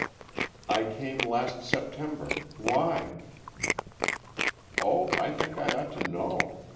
"I came last September. Why?" "Oh, I think I ought to know.